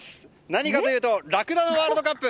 何かというとラクダのワールドカップ。